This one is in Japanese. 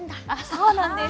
そうなんです。